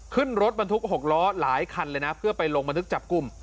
ขึ้นรถบรรทุก๖ล้อหลายคันเลยนะเพื่อไปลงบันทึกจับกลุ่ม